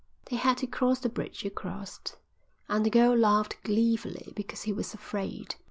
They had to cross the bridge you crossed, and the girl laughed gleefully because he was afraid.